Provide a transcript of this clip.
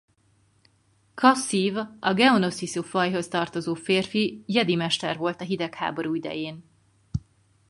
Qa-Siv a geonosisi fajhoz tartozó férfi Jedi Mester volt a Hidegháború idején.